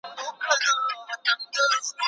ولي زیارکښ کس د مستحق سړي په پرتله لوړ مقام نیسي؟